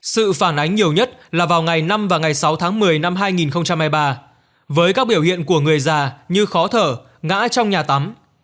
sự phản ánh nhiều nhất là vào ngày năm và ngày sáu tháng một mươi năm hai nghìn hai mươi ba với các biểu hiện của người già như khó thở ngã trong nhà tắm